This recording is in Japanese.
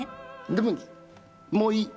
でももういい。